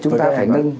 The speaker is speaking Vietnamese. chúng ta phải nâng